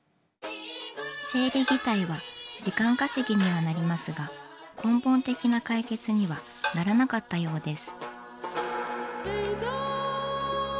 生理擬態は時間稼ぎにはなりますが根本的な解決にはならなかったようです。